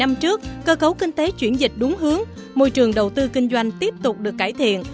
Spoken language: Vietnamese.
năm trước cơ cấu kinh tế chuyển dịch đúng hướng môi trường đầu tư kinh doanh tiếp tục được cải thiện